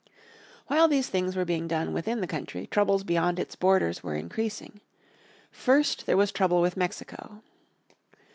While these things were being done within the country troubles beyond its boarders were increasing. First there was trouble with Mexico.